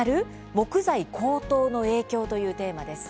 木材高騰の影響」というテーマです。